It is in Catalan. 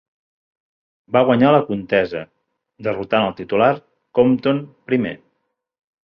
Va guanyar la contesa, derrotant al titular Compton I.